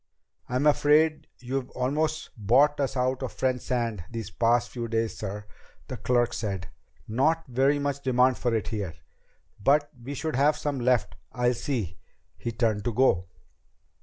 "I'm afraid you've almost bought us out of French sand these past few days, sir," the clerk said. "Not very much demand for it here. But we should have some left. I'll see." He turned to go.